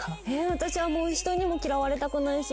私はもう人にも嫌われたくないし。